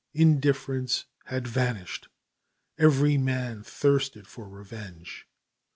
Indifference had vanished, every man thirsted for revenge.